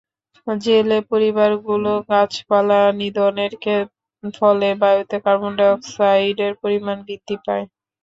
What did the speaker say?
জেলে পরিবারগুলো গাছপালা নিধনের ফলে বায়ুতে কার্বন ডাই-অক্সাইডের পরিমাণ বৃদ্ধি পায়।